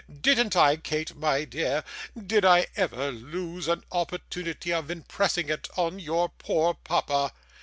Didn't I, Kate, my dear? Did I ever lose an opportunity of impressing it on your poor papa?